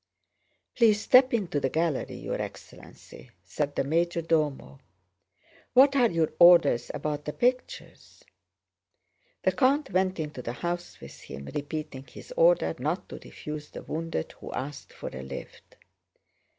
"Please step into the gallery, your excellency," said the major domo. "What are your orders about the pictures?" The count went into the house with him, repeating his order not to refuse the wounded who asked for a lift.